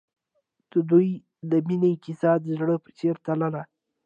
د دوی د مینې کیسه د زړه په څېر تلله.